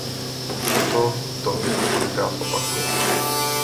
Toto to několikrát opakuje.